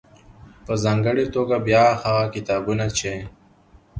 .په ځانګړې توګه بيا هغه کتابونه چې